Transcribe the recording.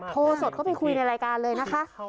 โทรสดเข้าไปคุยในรายการเลยนะคะ